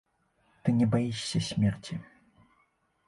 Ты не баішся смерці.